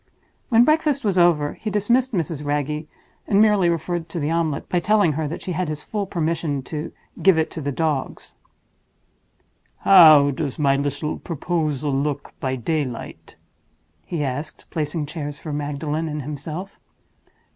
When breakfast was over, he dismissed Mrs. Wragge, and merely referred to the omelette by telling her that she had his full permission to "give it to the dogs." "How does my little proposal look by daylight?" he asked, placing chairs for Magdalen and himself.